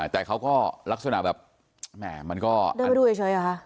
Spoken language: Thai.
แต่เขาก็ลักษณะแบบแหม่มันก็เดินมาดูเฉยเหรอคะ